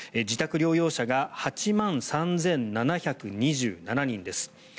自宅療養者が８万３７２７人です。